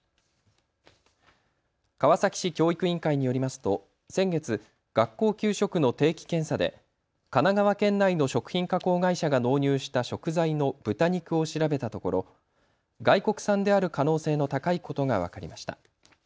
川崎市教育委員会によりますと先月、学校給食の定期検査で神奈川県内の食品加工会社が納入した食材の豚肉を調べたところ、外国産である可能性の高いことが分かりました。